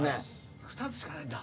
２つしかないんだ。